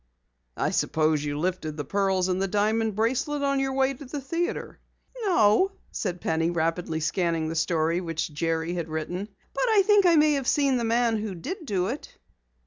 "I suppose you lifted the pearls and the diamond bracelet on your way to the theatre." "No," said Penny, rapidly scanning the story which Jerry had written, "but I think I may have seen the man who did do it."